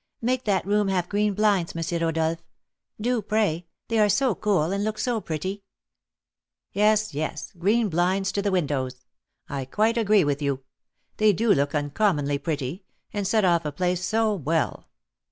"Make that room have green blinds, M. Rodolph, do, pray; they are so cool, and look so pretty!" "Yes, yes, green blinds to the windows. I quite agree with you, they do look uncommonly pretty, and set off a place so well!